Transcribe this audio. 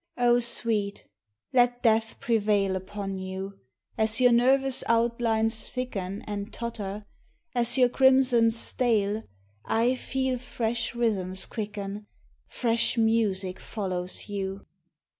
sweet, let death prevail Upon you, as your nervous outlines thicken And totter, as your crimsons stale, 1 feel fresh rhythms quicken. Fresh music follows you.